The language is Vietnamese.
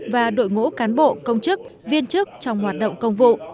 và đội ngũ cán bộ công chức viên chức trong hoạt động công vụ